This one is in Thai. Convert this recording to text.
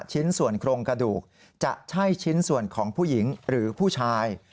ชิ้นส่วนโครงกระดูกจะใช่ชิ้นส่วนของผู้หญิงหรือผู้ชาย